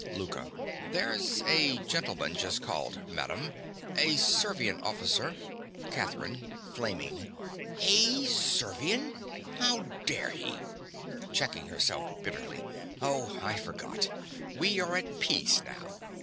LOUKA. There's a gentleman just called, madam—a Servian officer— CATHERINE. (flaming). A Servian! How dare he—(Checking herself bitterly.) Oh, I forgot. We are at peace now.